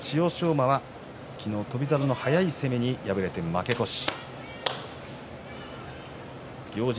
馬は昨日、翔猿の速い攻めに敗れて負け越し。